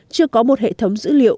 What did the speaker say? chưa có một hệ thống dữ liệu